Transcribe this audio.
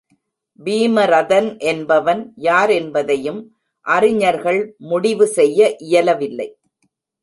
பீமரதன் என்பவன் யாரென்பதையும் அறிஞர்கள் முடிவு செய்ய இயலவில்லை.